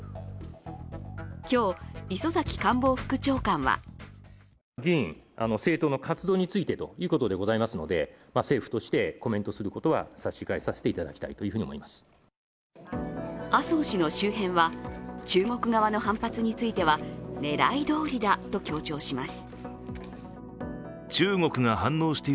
今日、磯崎官房副長官は麻生氏の周辺は、中国側の反発については狙いどおりだと強調します。